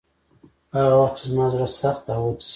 هغه وخت چې زما زړه سخت او وچ شي.